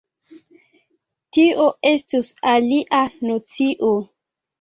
Tio estus alia nocio.